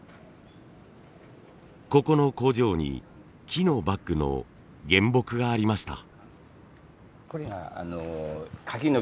ここの工場に木のバッグの原木がありました。